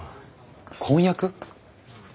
婚約？